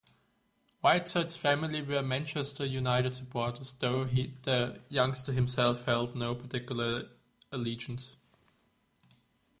Whiteside's family were Manchester United supporters, though the youngster himself held no particular allegiance.